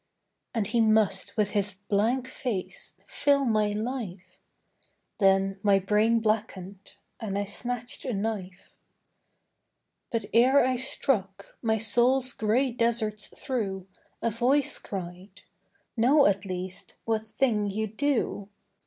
And he must with his blank face fill my life Then my brain blackened; and I snatched a knife. But ere I struck, my soul's grey deserts through A voice cried, 'Know at least what thing you do.'